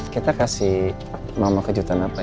kita kasih mama kejutan apa ya